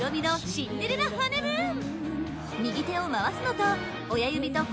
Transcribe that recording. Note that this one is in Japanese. シンデレラ・ハネムーン